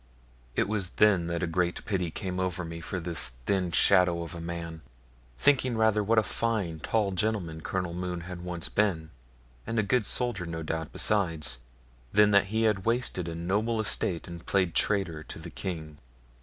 It was then that a great pity came over me for this thin shadow of man; thinking rather what a fine, tall gentleman Colonel Mohune had once been, and a good soldier no doubt besides, than that he had wasted a noble estate and played traitor to the king.